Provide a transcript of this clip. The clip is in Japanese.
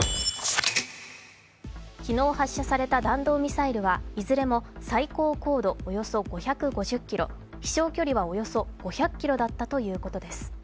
昨日発射された弾道ミサイルはいずれも最高高度およそ５５０ｋｍ、飛しょう距離およそ５００ｋｍだったということです。